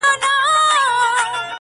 o کونه څيري، کرک مړ.